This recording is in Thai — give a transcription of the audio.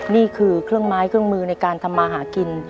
นี่คือเครื่องไม้เครื่องมือในการทำมาหากิน